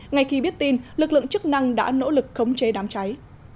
ngay khi biết tin lực lượng chức năng đã nỗ lực khống chế đám cháy